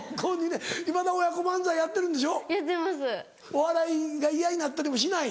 お笑いが嫌になったりもしない？